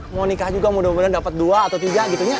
mau nikah juga mudah mudahan dapat dua atau tiga gitu